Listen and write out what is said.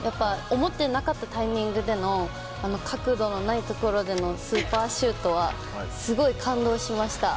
思っていなかったタイミングでの角度のないところでのスーパーシュートはすごい感動しました。